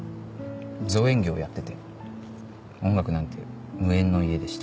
造園業やってて音楽なんて無縁の家でした。